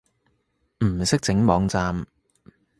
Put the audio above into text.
唔識整網站